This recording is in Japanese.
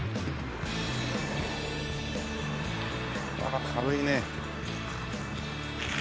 ああ軽いね。